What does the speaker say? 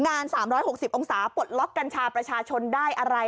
งาน๓๖๐องศาปลดล็อกกัญชาประชาชนได้อะไร